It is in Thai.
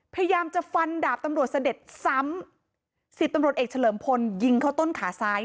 พยายามจะฟันดาบตำรวจเสด็จซ้ำสิบตำรวจเอกเฉลิมพลยิงเข้าต้นขาซ้าย